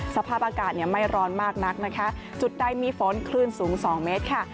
สภาพอากาศเนี่ยไม่ร้อนมากนักนะคะจุดใดมีฝนคลื่นสูง๒เมตรค่ะ